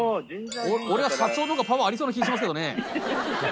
俺は社長のほうがパワーありそうな気しますけど。